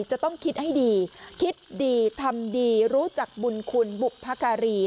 จะต้องคิดให้ดีคิดดีทำดีรู้จักบุญคุณบุพการี